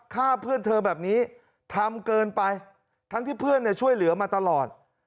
ฆ่าเพื่อนเธอแบบนี้ทำเกินไปทั้งที่เพื่อนช่วยเหลือมาตลอด